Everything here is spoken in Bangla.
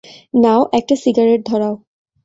নাও, একটা সিগারেট ধরাও।